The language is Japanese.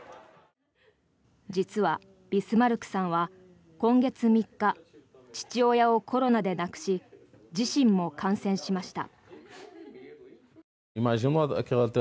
実はビスマルクさんは今月３日父親をコロナで亡くし自身も感染しました。